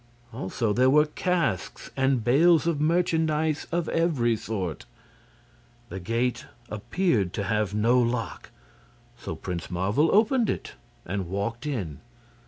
Also there were casks and bales of merchandise of every sort. The gate appeared to have no lock, so Prince Marvel opened it and walked in.